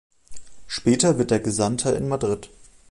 Später wird er Gesandter in Madrid.